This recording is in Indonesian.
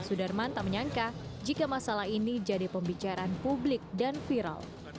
sudarman tak menyangka jika masalah ini jadi pembicaraan publik dan viral